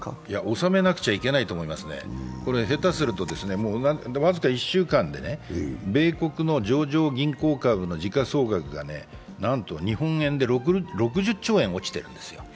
収めなくちゃいけないと思いますね、下手すると、僅か１週間で米国の上場銀行株の時価総額がなんと日本円で６０兆円落ちているんです。